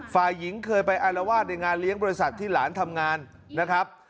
ฝ่ายหญิงเคยไปอารวาสในงานเลี้ยงบริษัทที่หลานทำงานนะครับ